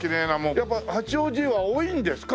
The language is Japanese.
やっぱ八王子は多いんですか？